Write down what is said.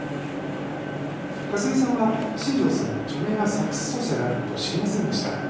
香澄さんは新庄さんが著名なサックス奏者である事を知りませんでした。